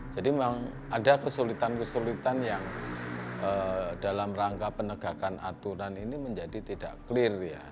jadi memang ada kesulitan kesulitan yang dalam rangka penegakan aturan ini menjadi tidak clear ya